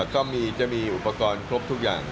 ก็จะมีอุปกรณ์ครบทุกอย่าง